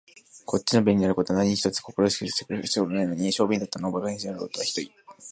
こっちの便利になる事は何一つ快くしてくれた事もないのに、小便に立ったのを馬鹿野郎とは酷い